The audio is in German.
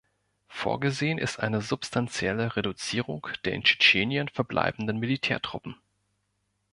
Vorgesehen ist eine substantielle Reduzierung der in Tschetschenien verbleibenden Militärtruppen.